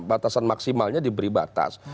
batasan maksimalnya diberi batas